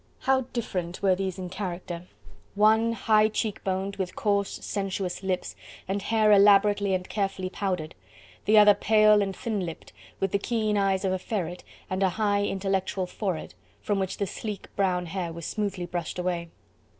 How different were these in character! One, high cheek boned, with coarse, sensuous lips, and hair elaborately and carefully powdered; the other pale and thin lipped, with the keen eyes of a ferret and a high intellectual forehead, from which the sleek brown hair was smoothly brushed away.